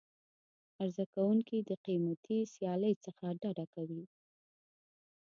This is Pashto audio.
عرضه کوونکي د قیمتي سیالۍ څخه ډډه کوي.